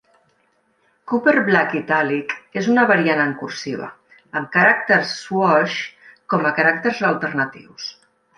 Cooper Black Italic és una variant en cursiva, amb caràcters swash com a caràcters alternatius.